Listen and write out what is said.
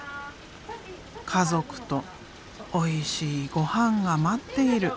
家族とおいしいごはんが待っている。